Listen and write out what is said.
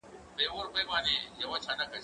زه به سبا مړۍ خورم،